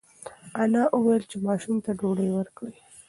انا وویل چې ماشوم ته ډوډۍ ورکړئ.